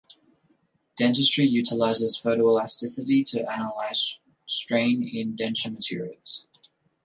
Dentistry utilizes photoelasticity to analyze strain in denture materials.